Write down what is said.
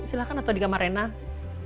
silahkan atau di kamar renang